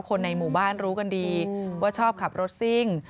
คนในหมู่บ้านรู้กันดีว่าชอบขับรถซิ่ง